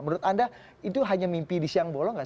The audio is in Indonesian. menurut anda itu hanya mimpi di siang bolong nggak